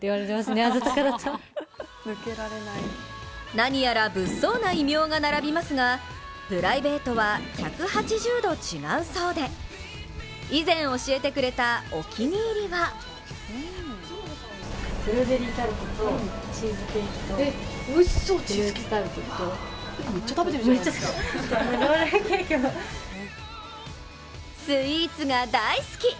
何やら物騒な異名が並びますがプライベートは１８０度違うそうで、以前教えてくれたお気に入りはスイーツが大好き！